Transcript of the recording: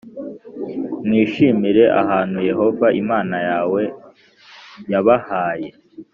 mwishimire ahantu Yehova Imana yawe yabahaye